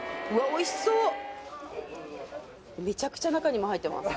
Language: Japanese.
おいしそうめちゃくちゃ中にも入ってます